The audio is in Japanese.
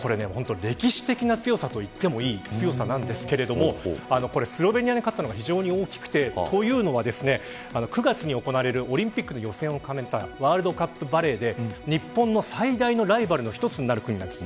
歴史的な強さといってもいい強さなんですがスロベニアに勝ったのが非常に大きくてというのは、９月に行われるオリンピックの予選を兼ねたワールドカップバレーで日本の最大のライバルの１つになる国なんです。